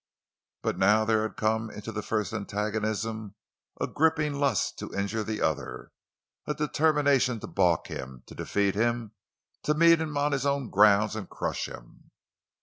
But now there had come into the first antagonism a gripping lust to injure the other, a determination to balk him, to defeat him, to meet him on his own ground and crush him.